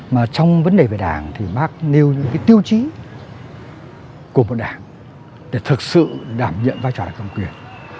mà trong vấn đề về đảng thì bác nêu những tiêu chí của một đảng để thực sự đảm nhận vai trò đảng cầm quyền